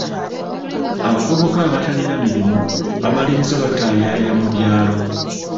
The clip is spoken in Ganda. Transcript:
Abavubuka abatalina mirimu bamaliriza bataayaaya mu byalo.